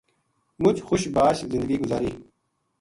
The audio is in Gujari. مچ خوش باش زندگی گزاری